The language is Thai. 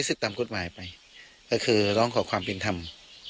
สิทธิ์ตามกฎหมายไปก็คือร้องขอความเป็นธรรม